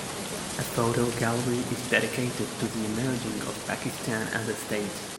A photo gallery is dedicated to the emerging of Pakistan as a state.